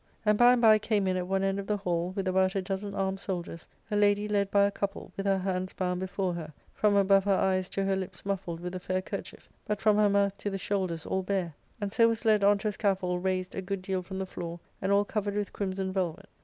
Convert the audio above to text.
And by and by came in at one end of the hall, with about a dozen armed soldiers, a lady led by a couple, with her hands bound before her, from above her eyes to her lips muffled with a fair kerchief, but from her mouth to the shoulders all bare ; and so was led on to a scaffold raised a good deal from the floor, and all covered with crimson velvet.